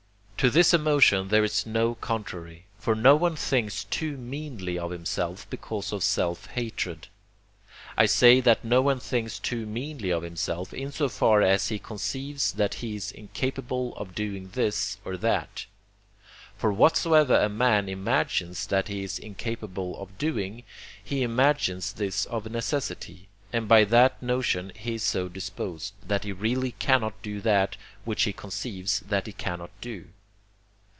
To this emotion there is no contrary. For no one thinks too meanly of himself because of self hatred; I say that no one thinks too meanly of himself, in so far as he conceives that he is incapable of doing this or that. For whatsoever a man imagines that he is incapable of doing, he imagines this of necessity, and by that notion he is so disposed, that he really cannot do that which he conceives that he cannot do.